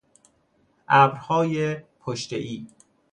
ابرهای پشتهای